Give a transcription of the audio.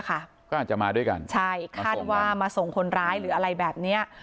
ก็อาจจะมาด้วยกันใช่คาดว่ามาส่งคนร้ายหรืออะไรแบบเนี้ย